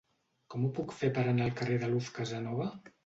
Com ho puc fer per anar al carrer de Luz Casanova?